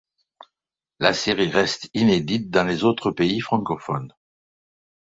La série reste inédite dans les autres pays francophones.